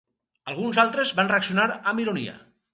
Alguns altres van reaccionar amb ironia.